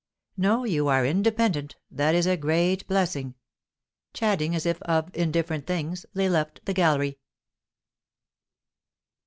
"No, you are independent; that is a great blessing." Chatting as if of indifferent things, they left the gallery.